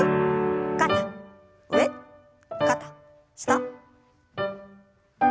肩上肩下。